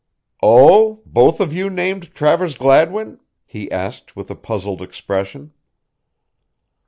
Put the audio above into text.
"Oh, both of you named Travers Gladwin?" he asked with a puzzled expression.